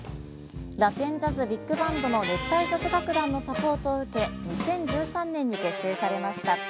ラテンジャズ・ビッグバンドの熱帯ＪＡＺＺ楽団のサポートを受け２０１３年に結成されました。